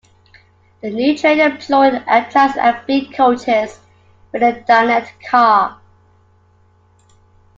The new train employed Amtrak's Amfleet coaches with a dinette car.